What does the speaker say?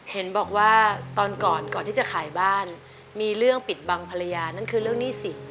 เห็นบอกว่าตอนก่อนก่อนที่จะขายบ้านมีเรื่องปิดบังภรรยานั่นคือเรื่องหนี้สิน